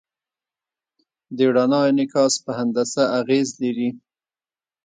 د رڼا انعکاس په هندسه اغېز لري.